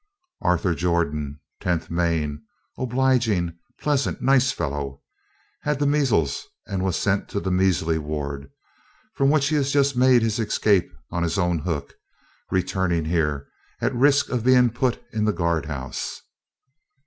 Arthur Jordan, Tenth Maine: obliging, pleasant, nice fellow; had the measles, and was sent to the "measly ward," from which he has just made his escape on his own hook, returning here at the risk of being put in the guard house.